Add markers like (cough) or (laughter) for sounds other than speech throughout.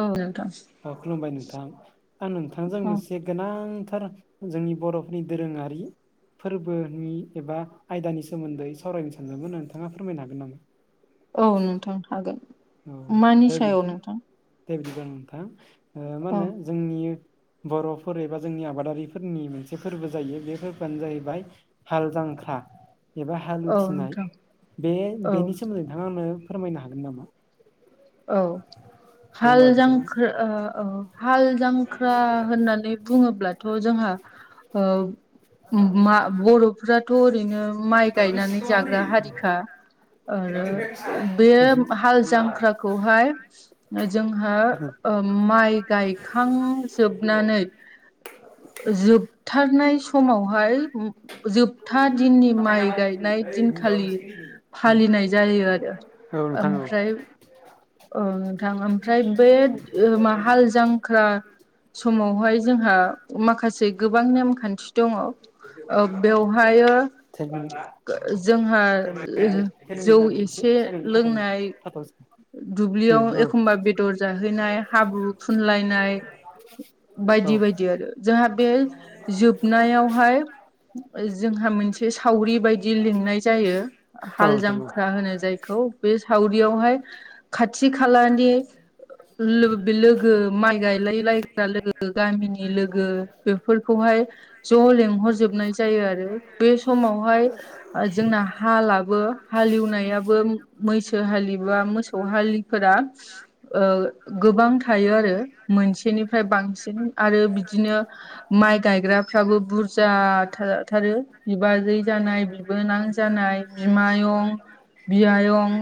औ नोंथां औ खुलुमबाय नोंथां आं नोंथांजों औ मोनसे गोनांथार जोंनि बर'फोरनि दोरोङारि फोरबोनि एबा आयदानि सोमोन्दै सावरायनो सानदोंमोन नोंथाङा फोरमायनो हागोन नामा औ नोंथां हागोन औ मानि दे सायाव बिदि नोंथां दे बिदि बा नोंथां मा औ होनो जोंनि बर'फोर एबा जोंनि आबादारिफोरनि मोनसे फोरबो जायो बे फोरबोआनो जाहैबाय फाल जांख्रा एबा औ हालुथिनाय नोंथां बे औ बेनि सोमोन्दै नोंथाङा आंनो फोरमायनो हागोन नामा औ दे हाल होमबा बिदिबा जांख्रा हाल जांख्रा होननानै बुङोब्लाथ' जोंहा औ मा बर'फ्राथ' ओरैनो माइ गायनानै जाग्रा हारिखा आरो बे हाल जांख्राखौहाय जोंहा ओ माइ गायखांजोबनानै जोबथारनाय समावहाय जोबथा दिननि माइ गायनाय दिनखालि फालिनाय जायो आरो औ नोंथां ओमफ्राय औ नोंथां ओमफ्राय बे मा हाल जांख्रा समावहाय जोंहा माखासे गोबां नेमखान्थि दङ ओ बेवहाय औ जोंहा एसे जौ एसे साइलेन्टआव थाथ'नि लोंनाय थाथ'नोसै उम दुब्लियाव औ एखमबा बेदर जाहैनाय हाब्रु फुनलायनाय औ बायदि बायदि आरो जोंहा बे जोबनायावहाय जोंहा मोनसे सावरि बायदि लिंनाय जायो औ हाल नोंथां जांख्रा होनो जाय खौ बे सावरियावहाय खाथि खालानि लोगो माइ गायलाय लायग्रा लोगो गामिनि लोगो बेफोरखौहाय ज' लेंहरजोबनाय जायो आरो बे समावहाय जोंना हालाबो हालवनायाबो मैसो हालि एबा मोसौ हालिफोरा ओ गोबां थायो आरो मोनसेनिफ्राय बांसिन आरो बिदिनो माइ गायग्राफ्राबो बुरज थाथारो बिबारै जानाय बि बोनां जानाय बिमायं बियायं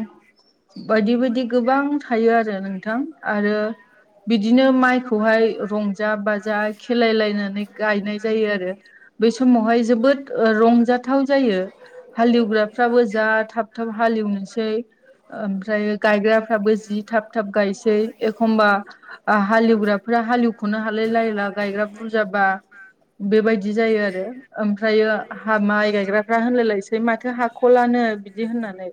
बायदि बायदि गोबां थायो आरो नोंथां आरो बिदिनो माइखौहाय रंजा बाजा खेलायलायनानै गायनाय जायो आरो बे समावहाय जोबोद ओ रंजाथाव जायो। हालेवग्राफ्राबो जा थाब थाब हालेवनोसै ओमफ्रायो गायग्राफ्राबो जि थाब थाब गायसै एखमबा ओ हालेवग्राफोरा हालेवख'नो हालाय लायला गायग्रा बुरजाबा बेबायदि जायो आरो। ओमफ्रायो हा माइ गायग्राफ्रा होनलायलायसै माथो हाख'लानो बिदि होननानै।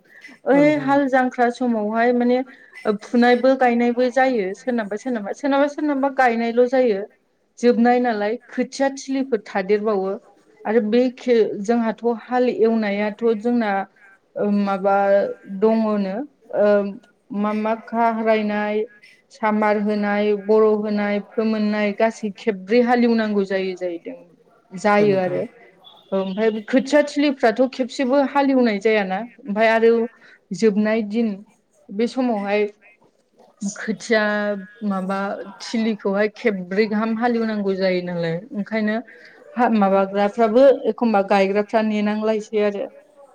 औ ओइ नोंथां हाल औ जांख्रा समावहाय माने ओ फुनायबो गायनायबो जायो सोरनाबा सोरनाबा सोरनाबा सोरनाबा गायनायल' जायो। जोबनाय नालाय खोथिया थिलिफोर थादेरबावो आरो बेखे जोंहाथ' हाल एवनायाथ' जोंना ओ माबा दङनो ओ मा मा खाहारायनाय सामार होनाय बर' होनाय फोमोननाय गासै खेबब्रै हालेवनांगौ जायो जाहैदों। औ जायो नोंथां आरो औ ओमफा खोथिया थिलिफ्राथ' खेबसेबो हालेवनाय जायाना ओमफाय आरो जोबनाय दिन बे समावहाय खोथिया माबा थिलिखौहाय खेबब्रै गाहाम हालेवनांगौ जायो नालाय ओंखायनो हा माबाग्राफ्राबो एखमबा गायग्राफ्रा नेनांलायसै आरो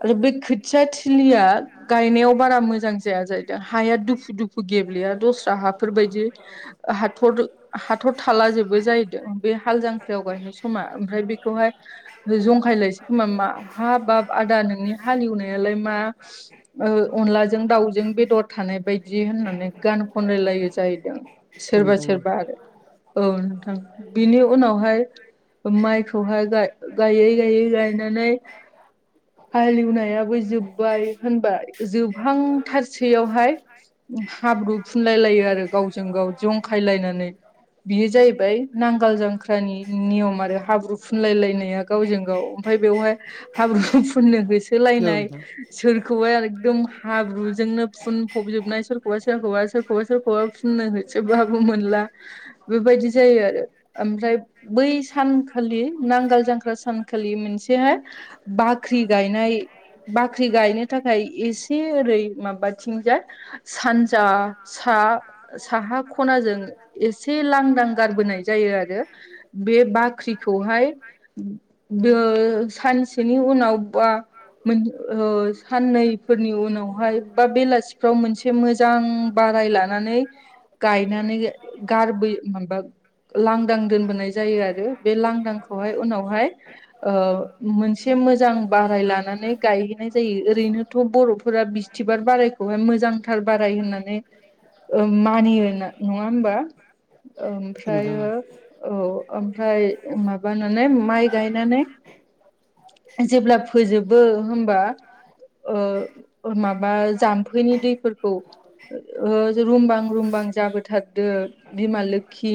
आरो बे खोथिया थिलिया गायनायाव बारा मोजां जाया जाहैदों हाया दुफु दुफु गेब्लेया दस्रा हाफोरबायदि ओ हाथर हाथर थाला जोबो जाहैदों बे हाल जांख्रायाव गायनाय समा ओमफ्राय बेखौहाय जंखायलायसै खोमा मा हाबाब आदा नोंनि हालेवनायालाय मा ओ अनलाजों दाउजों बेदर थानाय बायदि होननानै गान खनलायलायो जाहैदों। औ सोरबा नोंथां औ सोरबा आरो औ नोंथां बिनि उनावहाय ओ माइखौहाय गा-गायै गायै गायनानै हालेवनायाबो जोबबाय होनबा जोबहां थारसैयावहाय हाब्रु फुनलाय लायो आरो गावजों गाव जंखायलायनानै बियो जाहैबाय नांगाल जांख्रानि नियम आरो हाब्रु फुनलायलायनाया। गावजों गाव ओमफाय बेवहाय हाब्रु फुननो औ होसोलायनाय नोंथां सोरखौहाय आरो एकदम हाब्रुजोंनो फुनफबजोबनाय सोरखौबा सोरखौबा सोरखौबा सोरखौबा फुननो हो सोबाबो मोनला बेबायदि जायो आरो ओमफ्राय बै सानखालि नांगाल जांख्रा सानखालि मोनसेहाय बाख्रि गायनाय बाख्रि गायनो थाखाय एसे ओरै माबाथिंजाय सानजा सा साहा खनाजों एसे लांदां गारबोनाय जायो आरो। बे बाख्रिखौहाय दो सानसेनि उनाव बा मोन ओ साननै फोरनि उनावहाय बा बेलासिफ्राव मोनसे मोजां बाराय लानानै गायनानै गारबोयो माबा लांदां दोनबोनाय जायो आरो बे लांदांखौहाय उनावहाय ओ मोनसे मोजां बाराय लानानै गायहैनाय जायो ओरैनो थ' बर'फोरा बिस्थिबार बारायखौहाय मोजांथार बाराय होननानै ओ मानियोना नङा होमबा औ नोंथां ओमफ्रायो औ ओमफ्राय माबानानै माइ गायनानै जेब्ला फोजोबो होमबा ओ ओ माबा जाम्फैनि दैफोरखौ रुमबां रुमबां जाबोथारदो बिमा लोखि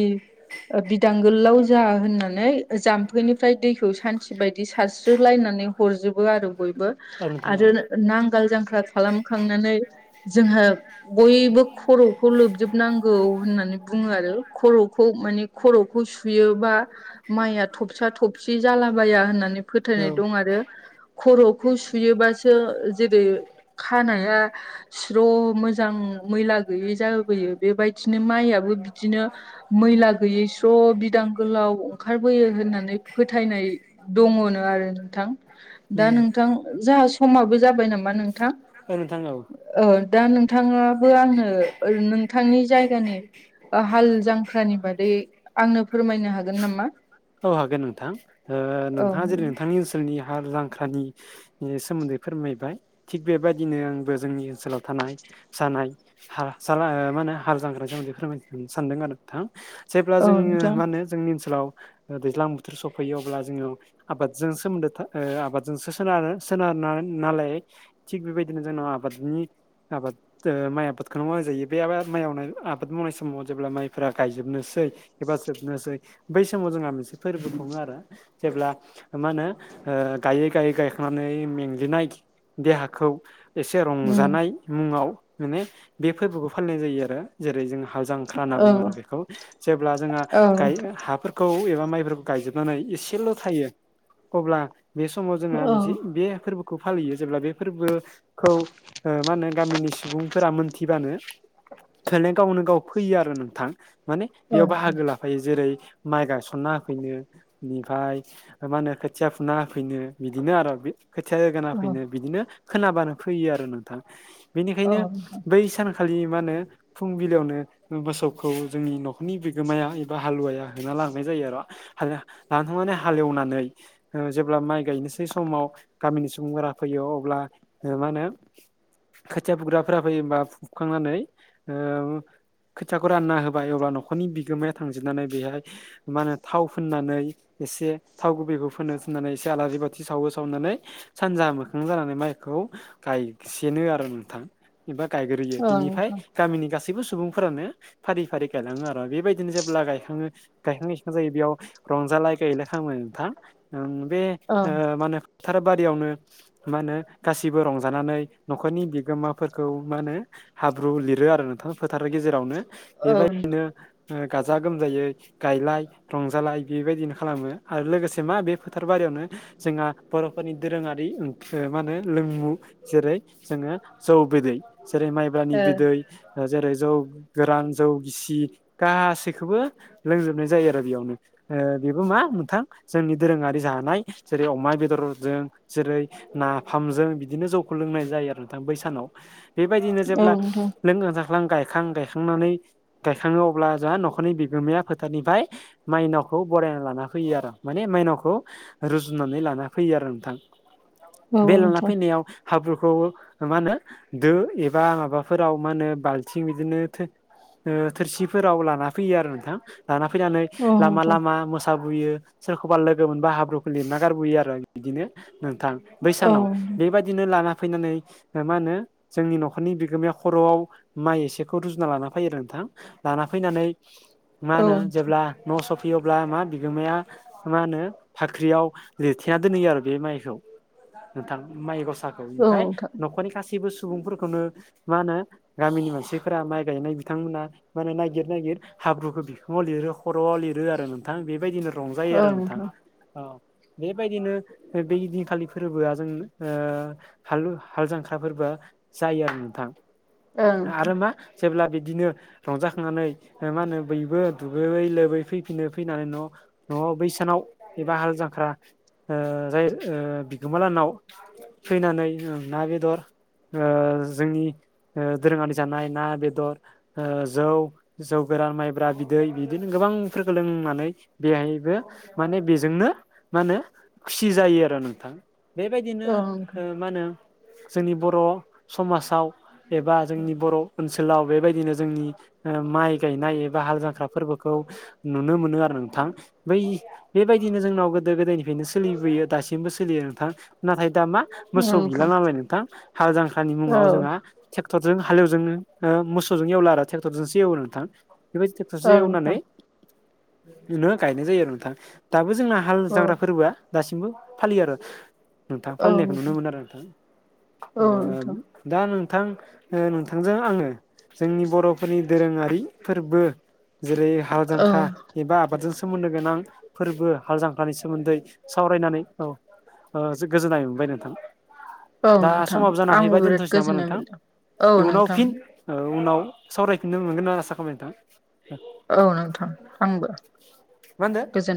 बिदां गोलाव जा होननानै जाम्फैनिफ्राय दैखौ सान्थि बायदि सारस्रोलायनानै हरजोबो आरो बयबो औ नोंथां औ आरो नांगाल जांख्रा खालामखांनानै जोंहा बयबो खर'खौ लोबजोबनांगौ होननानै बुङो आरो खर'खौ माने खर'खौ सुयोबा माइया थबसा थबसि जालाबाया होननानै फोथायनाय दं आरो खर'खौ सुयोबासो जेरै खानाया स्र' मोजां मैला गैयै जाबोयो बेबायदिनो माइयाबो बिदिनो मैला गैयै स्र' बिदां गोलाव ओंखारबोयो होननानै फोथायनाय दङनो आरो नोंथां उम दा नोंथां जा समाबो जाबाय नामा नोंथां ओ नोंथां औ औ दा नोंथाङाबो आंनो नोंथांनि जायगानि हाल जांख्रानि बादै आंनो फोरमायनो हागोन नामा औ हागोन नोंथां औ नोंथाङा जेरै नोंथांनि ओनसोलनि हाल जांख्रानि सोमोन्दै फोरमायबाय थिग बेबायदिनो आंबो जोंनि ओनसोलाव थानाय जानाय हार जाग्रा मा होनो जांख्राजों बेफोरबादि फोरमायनो सानदों आरो नोंथां जेब्ला औ जोङो नोंथां मा होनो जोंनि ओनसोलाव दैज्लां बोथोर सफैयो अब्ला जोङो आबादजों सोमोन्दो आबादजोंसो सोनारो सोनार नालाय थिग बेबायदिनो जोंना आबादनि आबाद माइ आबादखौनो मावजायो बे आबाद माइ आबाद मावनाय समाव जेब्ला माइफोरा गायजोबनोसै एबा सोबनोसै बै समाव जोंहा मोनसे फोरबो खुङो आरो जेब्ला मा होनो गायै गायै गायखांनानै मेंग्लिनाय देहाखौ एसे उम रंजानाय मुङाव माने बे फोरबोखौ फालिनाय जायो आरो जेरै जों हाल जांख्रा होनना औ बुङो आरो बेखौ जेब्ला जोंहा औ गाय नोंथां हाफोरखौ एबा माइफोरखौ गायजोबनानै एसेल' थायो अब्ला बे समाव जोंहा औ मोनसे बे फोरबोखौ खौ फालियो जेब्ला बे फोरबोखौ मा होनो गामिनि सुबुंफोरा मोनथिबानो खनाय गावनो गाव फैयो आरो नोंथां माने औ बेयाव बाहागो लाफायो जेरै माइ गासनना होफैनो ओमनिफ्राय मा होनो खोथिया फुना होफैनो बिदिनो आरो बे खोथिया जायगाना औ फैनो बिदिनो खोनाबानो फैयो आरो नोंथां औ बेनिखायनो नोंथां बै सानखालि मा होनो फुंबिलियावनो मोसौखौ जोंनि न'खरनि बिगोमाया एबा हालुवाया होना लांनाय जायो आरो हाला-लानथांनानै हालेवनानै जेब्ला माइ गायनोसै समाव गामिनि सुबुंफोरा फैयो अब्ला मा होनो खोथिया बुग्राफोरा फैयोबा फुबखांनानै ओ खोथियाखौ रानना होबाय अब्ला न'खरनि बिगोमाया थांजोबनानै बेहाय मा होनो थाव फोननानै एसे थाव गुबैखौ फोनो फिनानै एसे आलारि बाथि सावो सावनानै सानजा मोखां जानानै माइखौ गायसेनो आरो नोंथां एबा गायग्रोयो औ बिनिफाय नोंथां गामिनि गासैबो सुबुंफोरानो फारि फारि गायलाङो आरो बेबायदिनो जेब्ला गायखाङो गायखां जायो बेयाव रंजालाय गायलाय खालामो नोंथां बे औ मा होनो फोथारबारियावनो मा होनो गासिबो रंजानानै न'खरनि बिगोमाफोरखौ मा होनो हाब्रु लिरो आरो नोंथां फोथारनि गेजेरावनो औ बेबायदिनो गाजा गोमजायै गायलाय रंजालाय बेबायदिनो खालामो आरो लोगोसे मा बे फोथार बारियावनो जोंहा बर'फोरनि दोरोङारि ओं मा होनो लोंमु जेरै जोङो जौ बिदै जेरै ओ माइब्रानि बिदै औ जेरै जौ गोरान जौ गिसि गासैखौबो लोंजोबनाय जायो आरो यावनो बेबो मा मोनथां जोंनि दोरोङारि जानाय जेरै अमा बेदरजों जेरै नाफामजों बिदिनो जौखौ लोंनाय जायो आरो नोंथां बै सानाव बेबायदिनो जेब्ला नोंथां लोंखां जाख्लां गायखां गायखांनानै गायखाङो अब्ला जोंहा न'खरनि बिगोमाया फोथारनिफ्राय माइनावखौ बरायना लाना फैयो आरो माने माइनावखौ रुजुनानै लाना फैयो आरो नोंथां औ बे लाना नोंथां फैनायाव हाब्रुफोरखौ मा होनो दो एबा माबाफोराव मा होनो बाल्थिं बिदिनो थोरसिफोराव लाना फैयो आरो नोंथां लाना फैनानै औ लामा नोंथां लामा मोसाबोयो सोरखौबा लोगो मोनबा हाब्रुखौ लिरना गारबोयो आरो बिदिनो नोंथां औ बैसानाव बेबायदि बिदिनो लाना फैनानै मा होनो जोंनि न'खरनि बिगोमाया खर'आव माइ एसेखौ रुजुना लाना फैयो आरो नोंथां लाना फैनानै मा औ होनो जेब्ला न' सफैयोब्ला मा बिगोमाया मा होनो भाख्रियाव लिरथेना दोनहैयो आरो बे माइखौ नोंथां माइ गसा औ ओमफ्राय नोंथां न'खरनि गासैबो सुबुंफोरखौनो मा होनो गामिनि मानसिफोरा माइ गायनाय बिथांमोना माने नायगिर नायगिर हाब्रुखौ बिखुङाव लिरो खर'आव लिरो आरो नोंथां बेबायदिनो रंजायो आरो नोंथां औ बेबायदिनो बेदिनखालि फोरबोआ जों हालु हाल जांख्राफोरबो जायो आरो नोंथां औ नोंथां आरो मा जेब्ला बिदिनो रंजाखांनानै मा होनो बयबो दुगैयै लोबै फैफिनो फैनानै न' न'आव बैसानाव एबा हाल जांख्रा ओ जाय बिगोमाालानाव फैनानै ना बेदर जोंनि ओ दोरोङारि जानाय ना बेदर जौ जौ गोरान माइब्रा बिदै बिदिनो गोबांफोरखौ लोंनानै बेहायबो माने बेजोंनो मा होनो खुसि जायो आरो नोंथां बेबायदिनो औ मा होनो जोंनि बर' समाजाव एबा जोंनि बर' ओनसोलाव बेबायदिनो जोंनि माइ गायनाय एबा हाल जांख्रा फोरबोखौ खौ नुनो मोनो आरो नोंथां बै बेबायदिनो जोंनाव गोदो गोदायनिफ्रायनो सोलिबोयो दासिमबो सोलियो नोंथां नाथाय दा मा मोसौ गैला नोंथां नालाय नोंथां हाल जांख्रानि औ नोंथां औ मुङाव जोंहा ट्रेक्टरजों हालेवजों मोसौजों एवला आरो ट्रेक्टरजोंसो एवो नोंथां बेबायदि ट्रेक्टरसो औ एवनानै नोंथां (unintelligible) गायनाय जायो आरो नोंथां दाबो जोंना हाल औ जांख्रा फोरबोआ दासिमबो फालियो आरो नोंथाङा फालिनायखौ नुनो मोनो आरो नोंथां औ नोंथां दा नोंथां नोंथांजों आङो जोंनि बर' फोरनि दोरोङारि फोरबो जेरै हाल औ जांख्रा एबा आबादजों सोमोन्दो गोनां फोरबो हाल जांख्रानि सोमोन्दै सावरायनानै औ गोजोननाय मोनबाय नोंथां औ दा नोंथां समाबो जाना आंबो हैैबाय बिराद दोनथ'नोसै नामा गोजोननाय नोंथां मोनदों औ इयुनाव नोंथां फिन उनाव सावरायफिननो मोनगोन होनना आसा खामबाय नोंथां औ नोंथां आंबो मा होनदो गोजोन